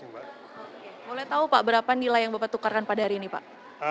boleh tahu pak berapa nilai yang bapak tukarkan pada hari ini pak